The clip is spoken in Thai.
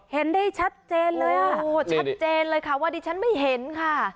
เห็นได้ชัดเจนเลยอ่ะโอ้ชัดเจนเลยค่ะว่าดิฉันไม่เห็นค่ะ